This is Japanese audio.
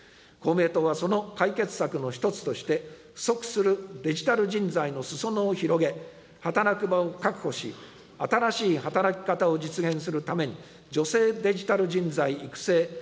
公明党はその解決策の一つとして、不足するデジタル人材のすそ野を広げ、働く場を確保し、新しい働き方を実現するために、女性デジタル人材育成